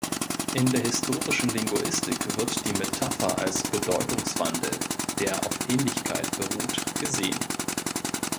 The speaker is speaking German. In der historischen Linguistik wird die Metapher als Bedeutungswandel, der auf "Ähnlichkeit" beruht, gesehen.